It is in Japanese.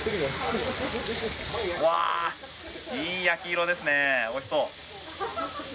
いい焼き色ですね、おいしそう。